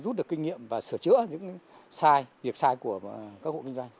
rút được kinh nghiệm và sửa chữa những sai việc sai của các hộ kinh doanh